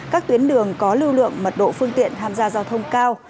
các tuyến đường có lưu lượng mật độ phương tiện tham gia giao thông cao